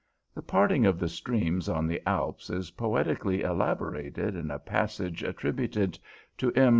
The parting of the streams on the Alps is poetically elaborated in a passage attributed to "M.